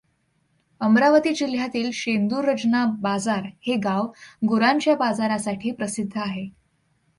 अमरावती जिल्ह्यातील शेंदूरजना बाजार हे गाव गुरांच्या बाजारासाठी प्रसिद्ध आहे.